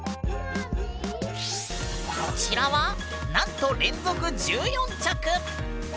こちらはなんと連続１４着！